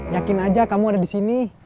yakin aja kamu ada di sini